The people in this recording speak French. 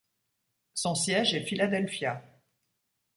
Son siège est Philadelphia.